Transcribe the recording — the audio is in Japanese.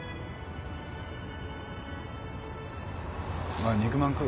あっ肉まん食う？